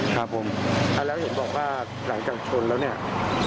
ใช่แล้วหลังจังพูด